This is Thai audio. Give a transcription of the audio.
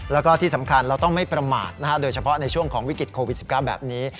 แล้วก็ที่สำคัญเราต้องไม่ประมาทโดยเฉพาะในช่วงของวิกฤตโควิด๑๙แบบนี้